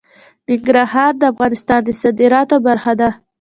ننګرهار د افغانستان د صادراتو برخه ده.